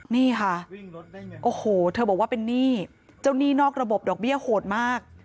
นี่ค่ะโอ้โหเธอบอกว่าเป็นหนี้เจ้าหนี้นอกระบบดอกเบี้ยโหดมาก